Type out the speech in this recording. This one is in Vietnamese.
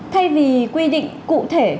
thay vì quy định cụ thể